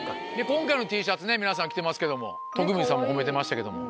今回のＴシャツね皆さん着てますけども徳光さんも褒めてましたけども。